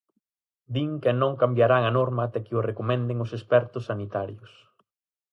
Din que non cambiarán a norma ata que o recomenden os expertos sanitarios.